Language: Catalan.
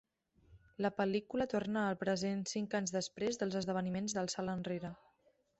La pel·lícula torna al present cinc anys després dels esdeveniments del salt enrere.